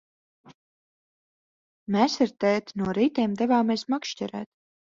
Mēs ar tēti no rītiem devāmies makšķerēt.